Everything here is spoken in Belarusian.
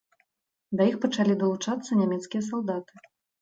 Да іх пачалі далучацца нямецкія салдаты.